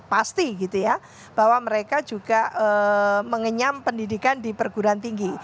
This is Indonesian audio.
pasti gitu ya bahwa mereka juga mengenyam pendidikan di perguruan tinggi